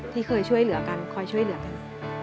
ที่เคยช่วยเหลือกันคอยช่วยเหลือกัน